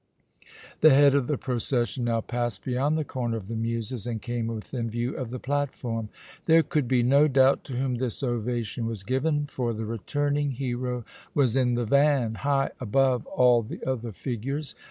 The head of the procession now passed beyond the Corner of the Muses and came within view of the platform. There could be no doubt to whom this ovation was given, for the returning hero was in the van, high above all the other figures.